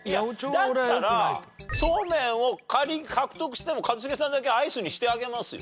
だったらそうめんを仮に獲得しても一茂さんだけアイスにしてあげますよ。